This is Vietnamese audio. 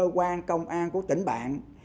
từ cơ quan công an của tỉnh bạn